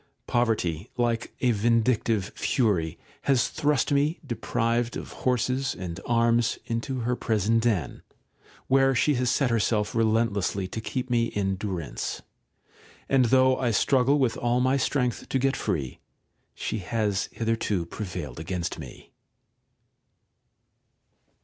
Poverty, like a vindictive fury, has thrust me, deprived of horses and arms, into her prison den, where she has set herself relentlessly to keep me in durance ; and though I struggle with all my strength to get free, she has hitherto prevailed against me.